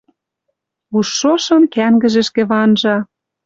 Уж шошым кӓнгӹжӹшкӹ ванжа.